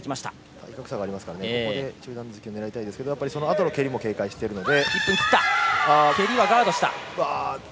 体格差がありますから中段突き狙いたいですけどそのあとの蹴りも警戒しているので。